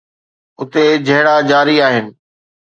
اتي جهيڙا جاري آهن